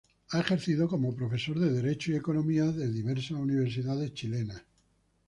Ha ejercido como profesor de derecho y de economía en diversas universidades chilenas.